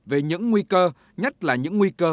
về những nguy cơ nhất là những nguy cơ